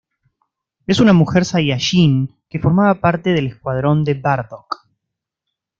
Es una mujer saiyajin que formaba parte del escuadrón de Bardock.